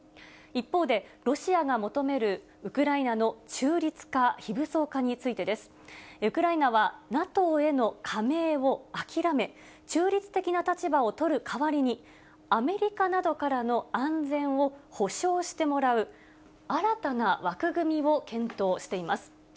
一方で、ロシアが求めるウクライナの中立化・非武装化についてです。ウクライナはＮＡＴＯへの加盟を諦め、中立的な立場を取る代わりに、アメリカなどからの安全を保証してもらう、新たな枠組みを検討しています。